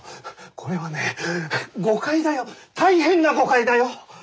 これはね誤解だよ大変な誤解だよ。